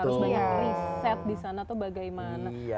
harus banyak riset di sana tuh bagaimana